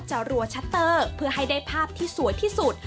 รัวชัตเตอร์เพื่อให้ได้ภาพที่สวยที่สุด